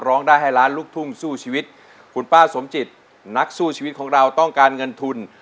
ร้องได้ให้ล้านลูกทุ่งสู้ชีวิตคุณป้าสมจิตนักสู้ชีวิตของเราต้องการเงินทุน